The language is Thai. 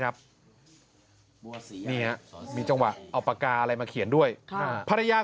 ภรรยาของหมอปลา